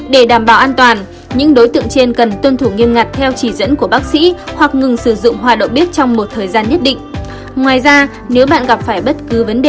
để đảm bảo an toàn những đối tượng trên cần tuân thủ nghiêm ngặt theo chỉ dẫn của bác sĩ hoặc ngừng sử dụng hoa đậu biếc trong một thời gian nhất định